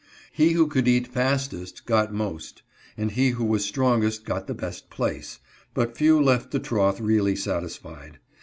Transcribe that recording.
He who could eat fastest got most, and he who was strongest got the best place, but few left the trough really satisfied.